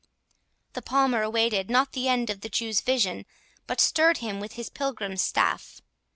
The Palmer awaited not the end of the Jew's vision, but stirred him with his pilgrim's staff.